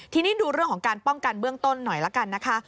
ทีนี้ดูเรื่องของการป้องกันเบื้องต้นหน่อยละกันนะคะ